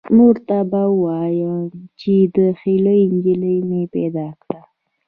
مور ته به ووایم چې د هیلو نجلۍ مې پیدا کړه